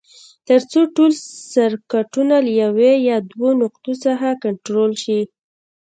تر څو ټول سرکټونه له یوې یا دوو نقطو څخه کنټرول شي.